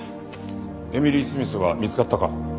エミリー・スミスは見つかったか？